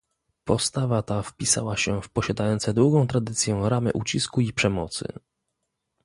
Postawa ta wpisała się w posiadające długą tradycję ramy ucisku i przemocy